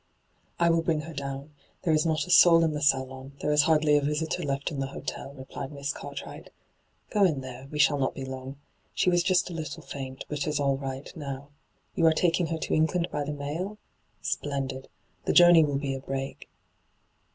' I will bring her down — there is not a Boul in the salon ; there is hardly a visitor left in the hotel,' replied Miss Cartwright. ' Go in there ; we shall not be long. She was just a little faint, but is all right now. You are taking her to England by the mail ? Splendid 1 The journey will be a break.'